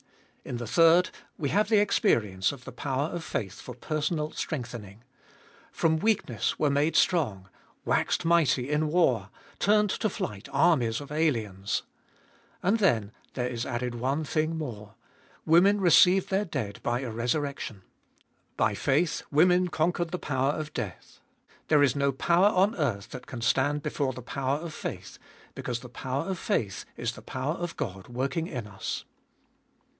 In the third, we have the experience of the power of faith for personal strengthening: From weakness were made strong, waxed mighty in war, turned to flight armies of aliens. And then there is added one thing more : Women received their dead by a resurrection. By faith women con quered the power of death. There is no power on earth that can stand before the power of faith, because the power of faith is the power of God working in us.